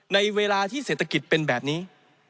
ในเวลาที่เศรษฐกิจเป็นแบบนี้